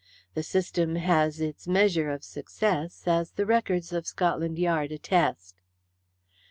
The system has its measure of success, as the records of Scotland Yard attest.